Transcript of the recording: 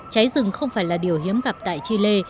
cháy rừng không phải là điều hiếm gặp tại chile